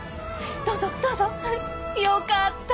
どうぞどうぞ！よかった！